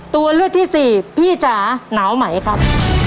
ตัวเลือกที่สี่พี่จ๋าหนาวไหมครับ